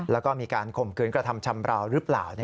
แล้วก็มีการข่มขืนกระทำชำราวหรือเปล่า